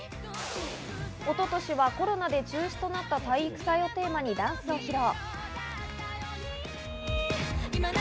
一昨年はコロナで中止となった体育祭をテーマにダンスを披露。